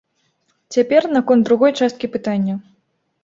Цяпер наконт другой часткі пытання.